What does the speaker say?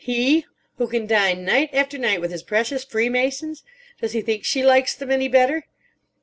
He! who can dine night after night with his precious Freemasons. Does he think she likes them any better?